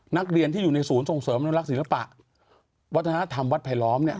นักเรียนที่อยู่ในศูนย์ส่งเสริมอนุรักษ์ศิลปะวัฒนธรรมวัดไผลล้อมเนี่ย